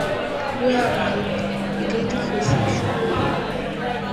Уи акәхеит, игеит ахысыбжьқәа…